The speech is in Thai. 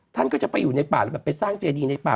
ท่านก็จะไปอยู่ในป่าแล้วแบบไปสร้างเจดีในป่า